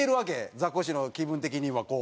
ザコシの気分的にはこう。